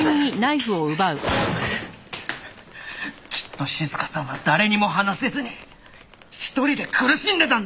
きっと静香さんは誰にも話せずに一人で苦しんでたんだ。